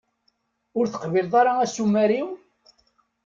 Ur teqbileḍ ara asumer-iw?